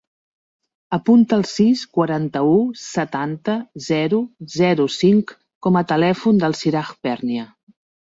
Apunta el sis, quaranta-u, setanta, zero, zero, cinc com a telèfon del Siraj Pernia.